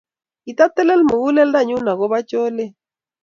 Kitatelel muguleldonyu akobo choleet.